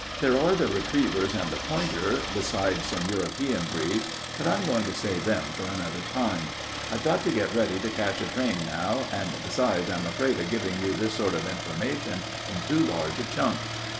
There are the retrievers and the pointer, besides some European breeds, but I'm going to save them for another time. I've got to get ready to catch a train now, and besides, I'm afraid of giving you this sort of information in too large a chunk."